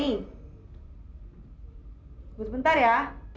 tunggu sebentar ya